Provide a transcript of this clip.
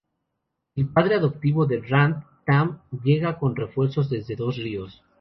El padre adoptivo de Rand, Tam, llega con refuerzos desde Dos Ríos.